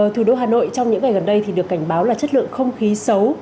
thủ đô hà nội trong những ngày gần đây được cảnh báo là chất lượng không khí xấu